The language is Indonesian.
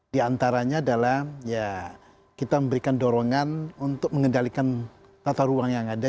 di antaranya adalah ya kita memberikan dorongan untuk mengendalikan tata ruang yang ada